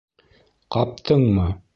— Ҡаптыңмы?